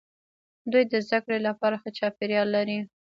دوی د زده کړې لپاره ښه چاپیریال لري.